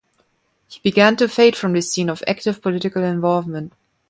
He began to fade from the scene of active political involvement.